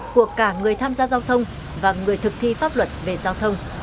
của cả người tham gia giao thông và người thực thi pháp luật về giao thông